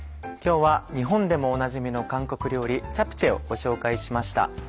今日は日本でもおなじみの韓国料理「チャプチェ」をご紹介しました。